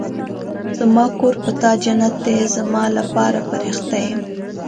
زما کور په تا جنت دی ، زما لپاره فرښته ېې